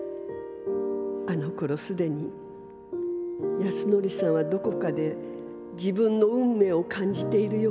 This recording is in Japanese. あの頃すでに安典さんはどこかで自分の運命を感じているようでした。